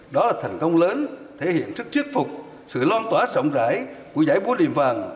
đó là thành công lớn thể hiện sức chiết phục sự loan tỏa rộng rãi của giải bố liềm vàng